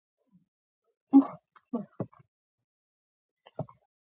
ښه مو وکړل.